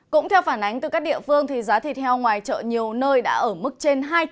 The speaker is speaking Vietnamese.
cũng theo phản ánh từ các địa phương thì giá thịt heo ngoài chợ nhiều nơi đã ở mức trên